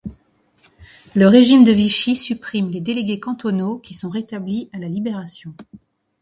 Le régime de Vichy supprime les délégués cantonaux qui sont rétablis à la Libération.